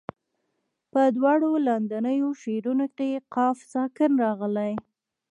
په دواړو لاندنیو شعرونو کې قاف ساکن راغلی.